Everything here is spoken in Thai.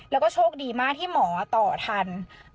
แล้วก็โชคดีมากที่หมอต่อทัน